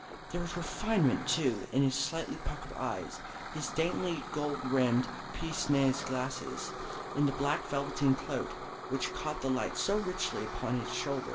There was refinement too in his slightly puckered eyes, his dainty gold rimmed pince nez glasses, and in the black velveteen coat which caught the light so richly upon its shoulder.